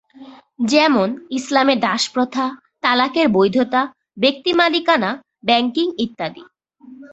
যেমন: ইসলামে দাসপ্রথা, তালাকের বৈধতা, ব্যক্তি মালিকানা, ব্যাংকিং ইত্যাদি।